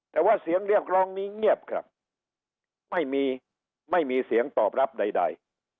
แต่ว่าเสียงเรียกร้องนี้เงียบครับไม่มีไม่มีเสียงตอบรับใด